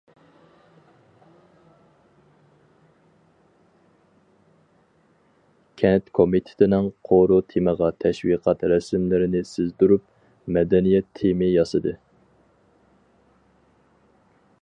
كەنت كومىتېتىنىڭ قورۇ تېمىغا تەشۋىقات رەسىملىرىنى سىزدۇرۇپ، مەدەنىيەت تېمى ياسىدى.